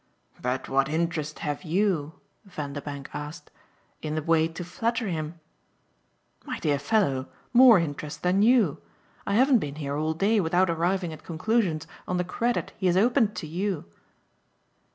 "But what interest have YOU," Vanderbank asked, "in the way to flatter him?" "My dear fellow, more interest than you. I haven't been here all day without arriving at conclusions on the credit he has opened to you